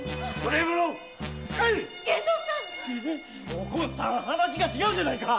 お紺さん話が違うじゃないか！